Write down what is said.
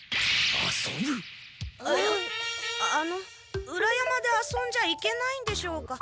ああの裏山で遊んじゃいけないんでしょうか？